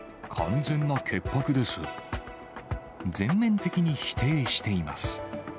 全面的に否定しています。